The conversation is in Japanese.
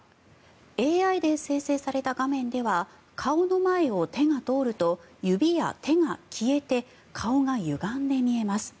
ＡＩで生成された画面では顔の前を手が通ると指や手が消えて顔がゆがんで見えます。